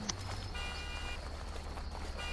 有着一副娃娃脸的已婚者。